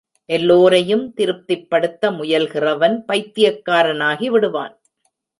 எல்லோரையும் திருப்திப்படுத்த முயல்கிறவன் பைத்தியக்காரனாகி விடுவான்.